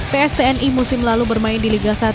pstni musim lalu bermain di liga satu